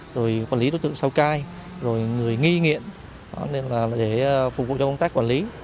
rồi quản lý đối tượng sau cai rồi người nghi nghiện nên là để phục vụ cho công tác quản lý